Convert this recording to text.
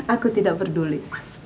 aku tidak peduli